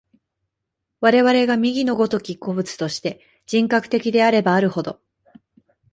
我々が右の如き個物として、人格的であればあるほど、